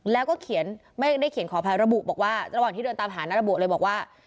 แล้วก็เขียนไม่ได้เขียนขออภัยระบุบอกว่าระหว่างที่เดินตามหานั้นระบุเลยบอกว่า